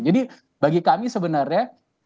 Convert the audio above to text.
jadi bagi kami sebenarnya